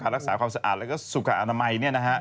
รักษาความสะอาดแล้วก็สุขอนามัย